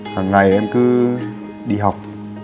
hằng ngày em cứ đi học